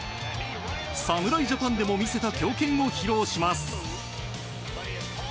侍ジャパンでも見せた強肩を披露します。